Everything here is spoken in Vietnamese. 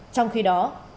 trong khi đó